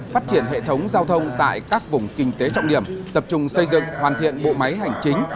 phát triển hệ thống giao thông tại các vùng kinh tế trọng điểm tập trung xây dựng hoàn thiện bộ máy hành chính